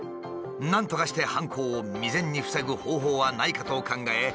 なんとかして犯行を未然に防ぐ方法はないかと考え